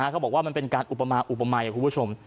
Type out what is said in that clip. เขาบอกว่ามันเป็นการอุปมาอุปมัยคุณผู้ชม